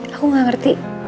aku gak ngerti